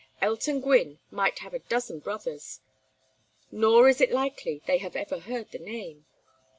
Elton Gwynne might have a dozen brothers; nor is it likely they ever heard the name.